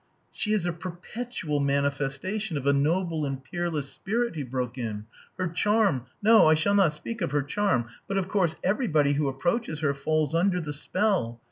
"She is a perpetual manifestation of a noble and peerless spirit," he broke in. "Her charm no, I shall not speak of her charm. But, of course, everybody who approaches her falls under the spell....